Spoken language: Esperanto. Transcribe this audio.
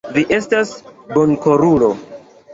Vi estas bonkorulo.